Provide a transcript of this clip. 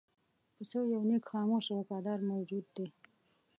پسه یو نېک، خاموش او وفادار موجود دی.